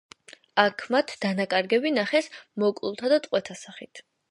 აქ მათ დანაკარგები ნახეს მოკლულთა და ტყვეთა სახით.